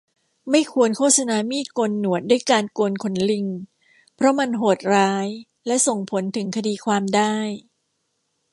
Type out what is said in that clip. ไม่ควรโฆษณามีดโกนหนวดด้วยการโกนขนลิงเพราะมันโหดร้ายและส่งผลถึงคดีความได้